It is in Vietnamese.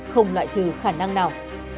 không loại trừ khả năng nào